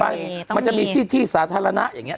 ใช่ต้องมีมันจะมีที่สาธารณะอย่างนี้